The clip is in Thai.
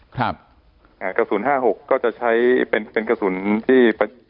กระสุน๕๕๖ก็จะช้าใช้เป็นกระสุนที่